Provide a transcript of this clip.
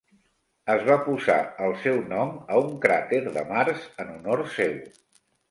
Es va posar el seu nom a un cràter de Mars en honor seu.